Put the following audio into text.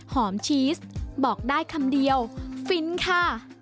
ชีสบอกได้คำเดียวฟินค่ะ